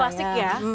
ini klasik ya